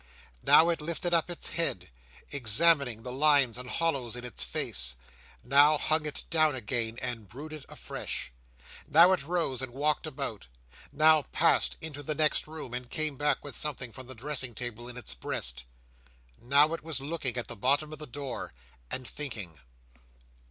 Now it lifted up its head, examining the lines and hollows in its face; now hung it down again, and brooded afresh. Now it rose and walked about; now passed into the next room, and came back with something from the dressing table in its breast. Now, it was looking at the bottom of the door, and thinking.